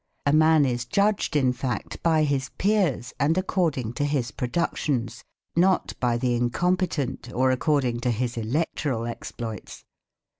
A man is judged in fact by his peers and according to his productions, not by the incompetent or according to his electoral exploits.